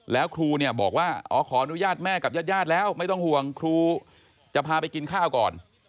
แล้วครูเนี่ยบอกว่าอ๋อขออนุญาตแม่กับญาติญาติแล้วไม่ต้องห่วงครูจะพาไปกินข้าวก่อน